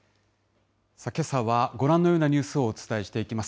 けさは、ご覧のようなニュースをお伝えしていきます。